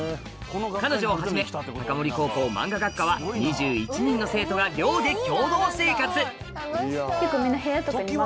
彼女をはじめ高森高校マンガ学科は２１人の生徒が寮で共同生活結構みんな。